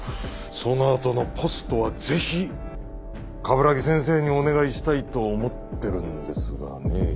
その後のポストはぜひ鏑木先生にお願いしたいと思ってるんですがねぇ。